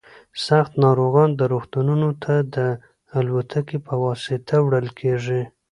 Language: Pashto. سخت ناروغان روغتونونو ته د الوتکې په واسطه وړل کیږي